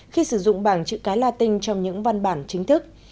khi sử dụng bảng chữ cái latin trong những văn bản chính thức